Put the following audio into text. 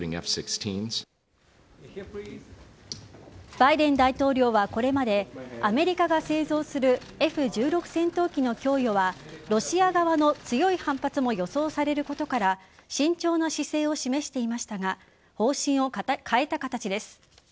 バイデン大統領はこれまでアメリカが製造するＦ‐１６戦闘機の供与はロシア側の強い反発も予想されることから慎重な姿勢を示していましたが方針を変えた形です。